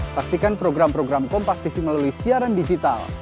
saksikan program program kompas tv melalui siaran digital